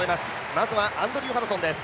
まずはアンドリュー・ハドソンです。